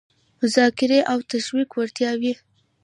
د مذاکرې او تشویق وړتیاوې